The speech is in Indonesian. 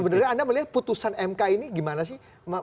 sebenarnya anda melihat putusan mk ini gimana sih